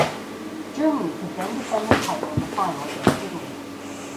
Germany could then defend the title in the final against Italy.